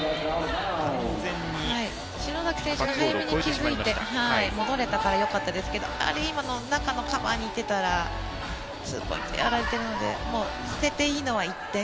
篠崎選手が気がついて戻れたからよかったですけど今の中のカバーに行っていたらツーポイントやられているので捨てていいのは１点。